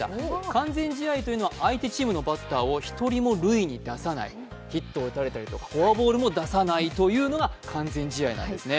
完全試合というのは相手チームのバッターを１人も出さない、ヒットを打たれたりとかフォアボールも出さないというのが完全試合なんですね。